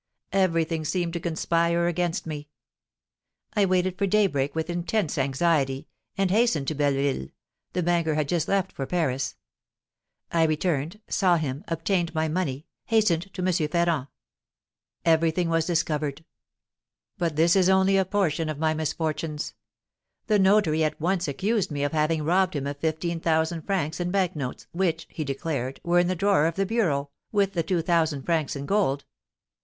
Everything seemed to conspire against me. I waited for daybreak with intense anxiety, and hastened to Belleville, the banker had just left for Paris. I returned, saw him, obtained my money, hastened to M. Ferrand; everything was discovered. But this is only a portion of my misfortunes. The notary at once accused me of having robbed him of fifteen thousand francs in bank notes, which, he declared, were in the drawer of the bureau, with the two thousand francs in gold.